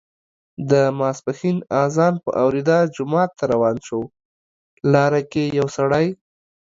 د ماسپښین اذان په اوریدا جومات ته روان شو، لاره کې یې یو سړی